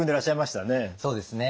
そうですね。